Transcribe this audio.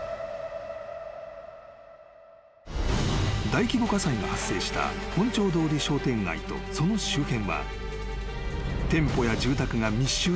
［大規模火災が発生した本町通り商店街とその周辺は］